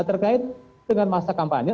terkait dengan masa kampanye